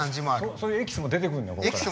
そういうエキスも出てくんのよこっから。